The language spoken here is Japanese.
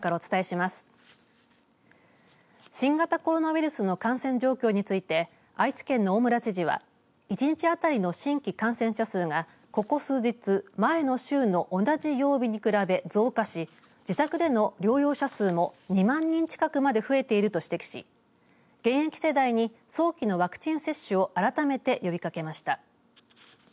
新型コロナウイルスの感染状況について愛知県の大村知事は一日当たりの新規感染者数がここ数日、前の週の同じ曜日に比べ増加し自宅での療養者数も２万人近くまで増えていると指摘し現役世代に早期のワクチン接種を改めて呼びかけました。